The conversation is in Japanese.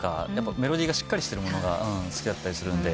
メロディーがしっかりしてるものが好きだったりするんで。